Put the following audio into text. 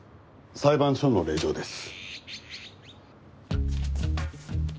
裁判所の令状です。